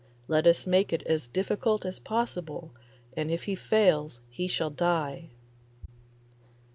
Let us make it as difficult as possible, and if he fails he shall die.